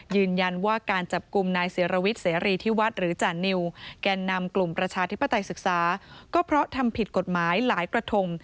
ยืนยันว่าการจับกลุ่มนายเสรวิทย์เสรีที่วัดหรือจานิวแก่นำกลุ่มประชาธิปไตยศึกษาก็เพราะทำผิดกฎหมายหลายกระทง